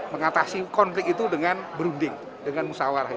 mengatasi konflik itu dengan berunding dengan musawarah